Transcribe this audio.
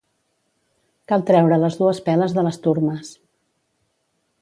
Cal treure les dues peles de les turmes